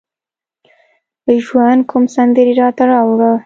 ژوند کوم سندرې راته راوړه